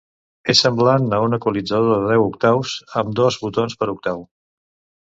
És semblant a un equalitzador de deu octaus amb dos botons per octau.